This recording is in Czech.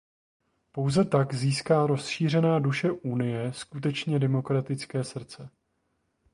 Pouze tak získá rozšířená duše Unie skutečně demokratické srdce.